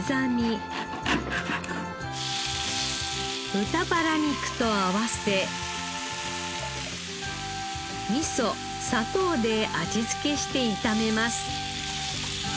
豚バラ肉と合わせみそ砂糖で味付けして炒めます。